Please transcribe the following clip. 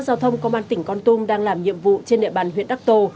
giao thông công an tỉnh con tum đang làm nhiệm vụ trên địa bàn huyện đắc tô